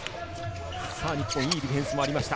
日本、いいディフェンスもありました。